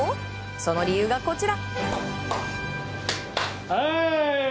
その理由が、こちら。